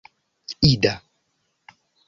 ida